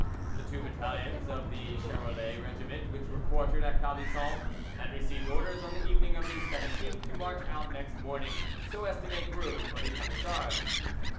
The two battalions of the Charolais regiment which were quartered at Calvisson had received orders on the evening of the 17th to march out next morning, so as to make room for the Camisards.